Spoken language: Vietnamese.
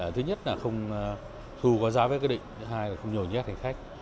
thứ nhất là không thu qua giá vé quyết định thứ hai là không nhồi nhét hành khách